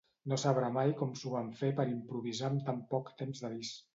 No sabrà mai com s'ho van fer per improvisar amb tan poc temps d'avís.